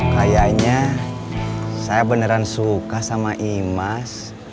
kayaknya saya beneran suka sama imas